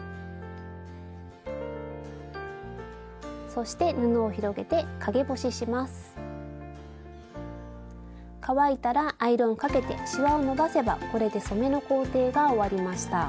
そして乾いたらアイロンをかけてしわを伸ばせばこれで染めの工程が終わりました。